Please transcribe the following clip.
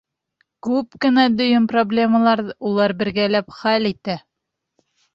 Күп кенә дөйөм проблемаларҙы улар бергәләп хәл итә.